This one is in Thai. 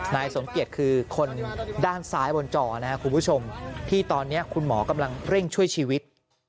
นายสมเกียจคือคนด้านซ้ายบนจอนะครับคุณผู้ชมที่ตอนนี้คุณหมอกำลังเร่งช่วยชีวิต